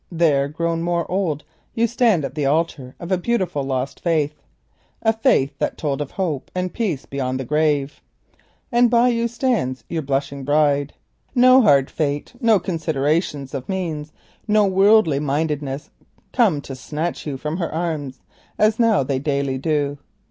There, grown more old, you stand at the altar of a beautiful lost faith, a faith that told of hope and peace beyond the grave, and by you stands your blushing bride. No hard fate, no considerations of means, no worldly mindedness, come to snatch you from her arms as now they daily do.